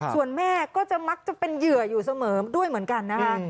ส่วนแม่ก็จะมักจะเป็นเหยื่ออยู่เสมอด้วยเหมือนกันนะคะ